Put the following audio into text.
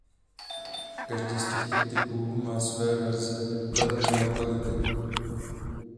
Každý z těchto typů má své „verze“ dle dané lokality.